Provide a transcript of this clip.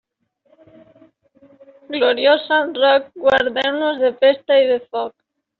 Gloriós sant Roc, guardeu-nos de pesta i de foc.